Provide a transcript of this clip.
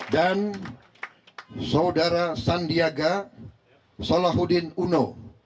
dan saudara sandiaga solahuddin uno